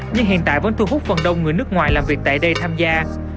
nhưng hiện tại vẫn thu hút phần đông người nước ngoài làm việc tại đây tham gia